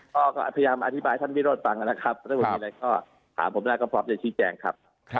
ก็ก็พยายามอธิบายท่านวิโรธฟังกันนะครับและวันนี้ก็ถามผมแล้วกับภาพเจ้าชีแจงครับ